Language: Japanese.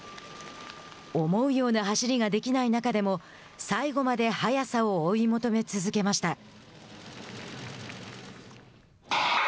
思うような走りができない中でも最後まで速さを追い求め続けました。